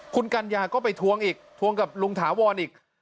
คุณกัญญาก็ไปทวงอีกทวงกับลุงถาวรอีก